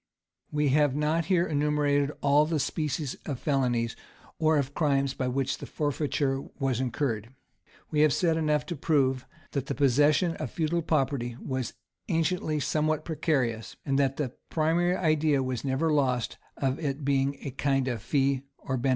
[] We have not here enumerated all the species of felonies, or of crimes by which forfeiture was incurred: we have said enough to prove that the possession of feudal property was anciently somewhat precarious, and that the primary idea was never lost, of its being a kind of fee or benefice.